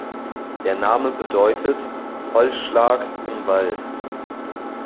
Der Name bedeutet: Holzschlag im Wald.